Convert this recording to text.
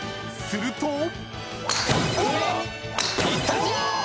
［すると］